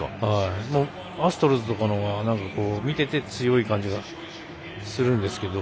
アストロズとかのほうが、見てて強い感じがするんですけど。